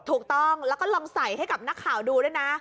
ถูกต้องแล้วก็ลองใส่ให้กับนักข่าวดูด้วยนะ